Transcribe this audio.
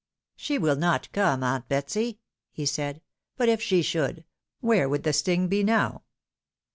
"She will not come, aunt Betsy," he said; "but if she should, where would the sting be now